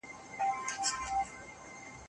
هغه وايي چې د شپې خوب د سبو خوراک سره تړاو لري.